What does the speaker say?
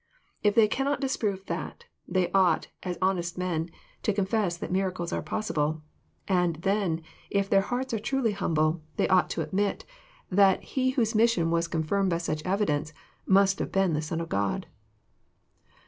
If they cannot disprove that, they ought, as honest men, to confess that miracles are possible. And then, if their hearts are truly humble, they ought to admit JOHN) CHAP. X. 219 that He whose mission wss confirmed by such evidence mast have been the Son of God.